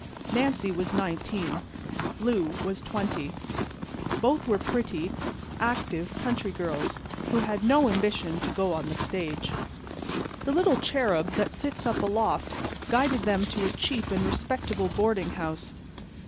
Nancy was nineteen; Lou was twenty. Both were pretty, active, country girls who had no ambition to go on the stage. The little cherub that sits up aloft guided them to a cheap and respectable boarding house.